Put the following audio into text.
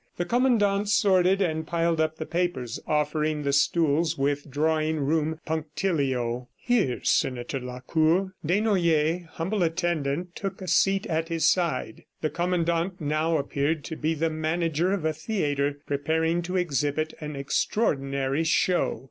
The Commandant sorted and piled up the papers, offering the stools with drawing room punctilio. "Here, Senator Lacour." Desnoyers, humble attendant, took a seat at his side. The Commandant now appeared to be the manager of a theatre, preparing to exhibit an extraordinary show.